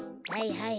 はい